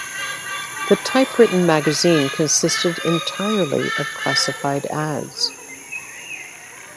The typewritten magazine consisted entirely of classified ads.